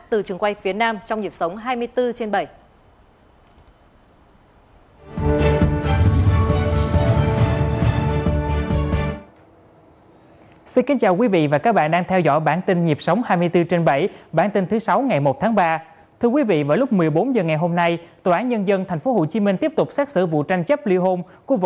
từ trường quay phía nam